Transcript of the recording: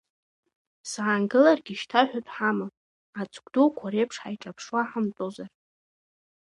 Саангыларгьы шьҭа ҳәатә ҳамам, ацгә дуқәа реиԥш ҳаиҿаԥшуа ҳамтәозар.